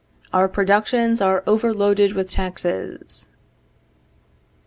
V. OUR PRODUCTIONS ARE OVERLOADED WITH TAXES.